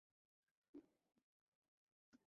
দেখা করে বলো, মান্নুর সাথে এই এই হইছে, বাঁচান।